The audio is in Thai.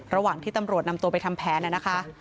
ระหว่างที่ตำรวจนำตัวไปทำแผนนะคะ